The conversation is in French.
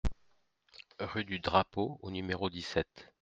Rue du Drapeau au numéro dix-sept